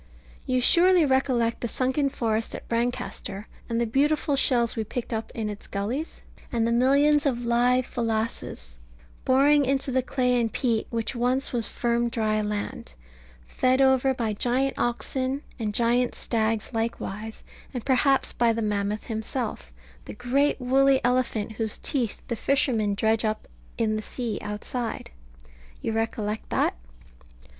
You surely recollect the sunken forest at Brancaster, and the beautiful shells we picked up in its gullies, and the millions of live Pholases boring into the clay and peat which once was firm dry land, fed over by giant oxen, and giant stags likewise, and perhaps by the mammoth himself, the great woolly elephant whose teeth the fishermen dredge up in the sea outside? You recollect that?